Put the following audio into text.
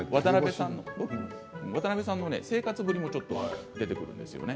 渡辺さんの生活ぶりもちょっと出てくるんですよね。